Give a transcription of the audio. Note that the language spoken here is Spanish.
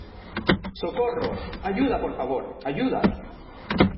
¡ socorro! ¡ ayuda, por favor , ayuda !